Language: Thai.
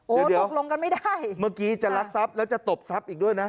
โอ้โหตกลงกันไม่ได้เมื่อกี้จะรักทรัพย์แล้วจะตบทรัพย์อีกด้วยนะ